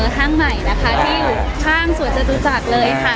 ห้างใหม่ที่อยู่ข้างสวทชจัดรุจักรเลยค่ะ